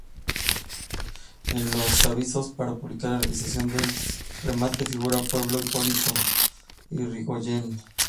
En los avisos para publicar la realización del remate, figura "Pueblo Hipólito Yrigoyen".